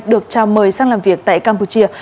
được trao mời sang làm việc tại campuchia